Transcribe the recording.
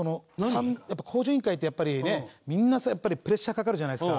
『向上委員会』ってやっぱりねみんなやっぱりプレッシャーかかるじゃないですか。